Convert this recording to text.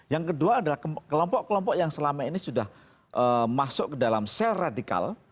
yang kedua adalah kelompok kelompok yang selama ini sudah masuk ke dalam sel radikal